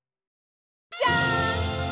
じゃん！